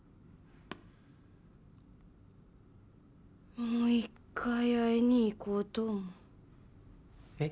もう一回会いに行こうと思うえっ？